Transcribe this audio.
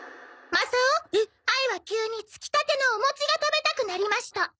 マサオあいは急につきたてのお餅が食べたくなりました。